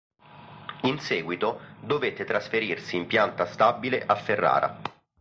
In seguito dovette trasferirsi in pianta stabile a Ferrara.